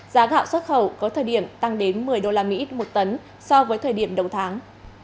giá gạo xuất khẩu có thời điểm tăng đến một mươi đô la mỹ một tấn so với thời điểm đầu tháng